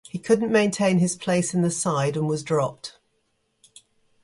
He couldn't maintain his place in the side and was dropped.